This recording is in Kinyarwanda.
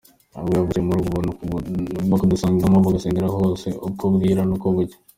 Ubwo yavukiye muri ubu buntu bukidusagambamo bugasendera hose uko bwira n’uko bucya.